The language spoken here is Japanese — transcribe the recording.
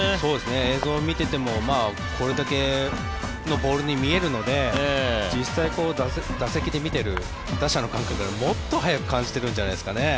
映像を見ててもこれだけのボールに見えるので実際に打席で見ている打者の感覚はもっと速く感じてるんじゃないですかね。